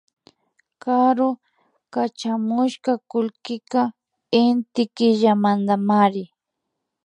Karu kachamushka kullkika Inti killamantamari